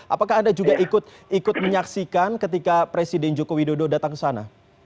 apakah anda juga ikut menyaksikan ketika presiden joko widodo datang ke sana